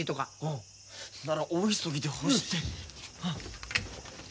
なら大急ぎで干して。